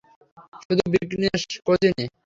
শুধু, বিঘ্নেশ কোচিনে।